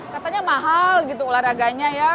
katanya mahal gitu olahraganya ya